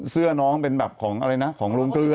เสื้อน้องเป็นแบบของอะไรนะของโรงเกลือ